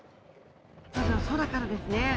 まずは空からですね